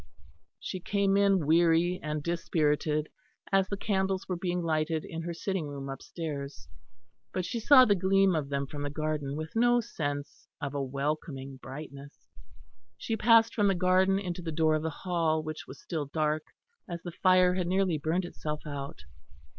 She came in weary and dispirited as the candles were being lighted in her sitting room upstairs; but she saw the gleam of them from the garden with no sense of a welcoming brightness. She passed from the garden into the door of the hall which was still dark, as the fire had nearly burned itself out.